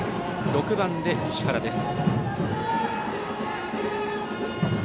６番に石原です。